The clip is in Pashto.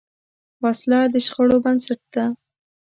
وسله د شخړو بنسټ ده